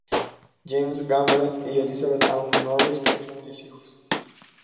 James Gamble y Elizabeth Ann Norris tuvieron diez hijos.